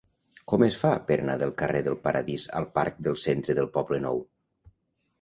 Com es fa per anar del carrer del Paradís al parc del Centre del Poblenou?